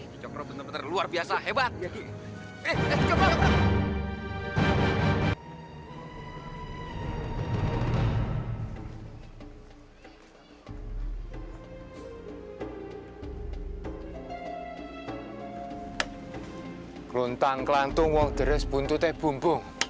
kicokro benar benar luar biasa hebat